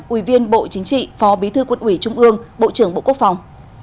ủy viên bộ chính trị phó bí thư quân ủy trung ương bộ trưởng bộ quốc phòng